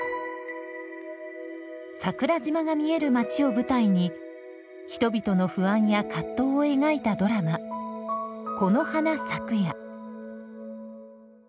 桜島が見える街を舞台に人々の不安や葛藤を描いたドラマ「この花咲くや」。